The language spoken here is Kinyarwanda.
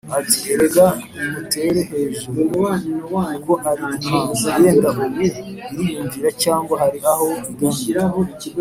ati “Erega nimutere hejuru kuko ari imana! Yenda ubu iriyumvīra cyangwa hari aho igannye